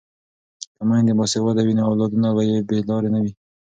که میندې باسواده وي نو اولادونه به یې بې لارې نه وي.